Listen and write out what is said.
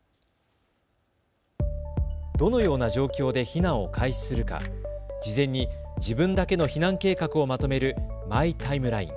どのような状況で避難を開始するか、事前に自分だけの避難計画をまとめるマイ・タイムライン。